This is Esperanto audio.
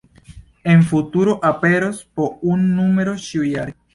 En futuro aperos po unu numero ĉiujare.